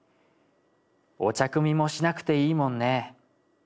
『お茶汲みもしなくていいもんね』